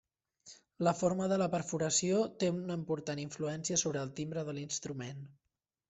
La forma de la perforació té una important influència sobre el timbre de l'instrument.